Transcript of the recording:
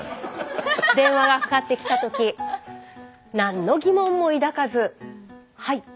電話がかかってきた時何の疑問も抱かずはい。